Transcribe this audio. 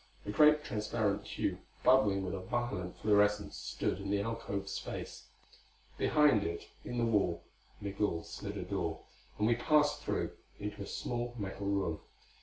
A great transparent tube bubbling with a violet fluorescence stood in the alcove space. Behind it in the wall Migul slid a door, and we passed through, into a small metal room.